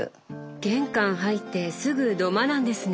玄関入ってすぐ土間なんですね